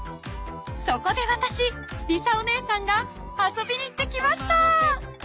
［そこでわたし理沙お姉さんが遊びに行ってきました！］